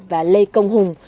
và lê công hùng